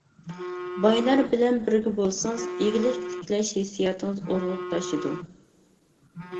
بايلار بىلەن بىرگە بولسىڭىز، ئىگىلىك تىكلەش ھېسسىياتىڭىز ئۇرغۇپ تاشىدۇ.